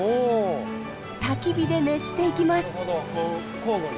たき火で熱していきます。